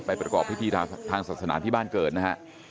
ประกอบพิธีทางศาสนาที่บ้านเกิดนะฮะ